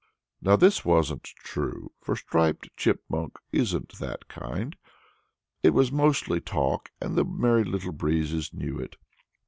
Now this wasn't true, for Striped Chipmunk isn't that kind. It was mostly talk, and the Merry Little Breezes knew it.